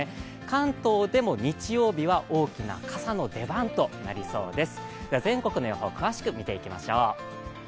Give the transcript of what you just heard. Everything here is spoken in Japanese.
関東でも、日曜日は大きな傘の出番となりそうです。